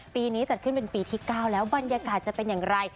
ปีนี้จัดขึ้นเป็นปีที่๙แล้วบรรยากาศจะเป็นอย่างไร